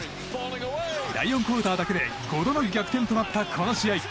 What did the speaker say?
第４クオーターだけで５度の逆転となったこの試合。